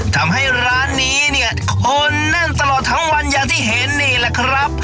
ทำให้ร้านนี้เนี่ยคนแน่นตลอดทั้งวันอย่างที่เห็นนี่แหละครับ